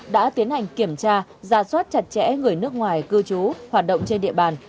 đã tiến hành kiểm tra ra soát chặt chẽ người nước ngoài cư trú hoạt động trên địa bàn